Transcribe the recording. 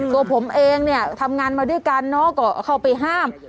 ตัวผมเองเนี่ยทำงานมาด้วยกันเนาะก็เข้าไปห้าม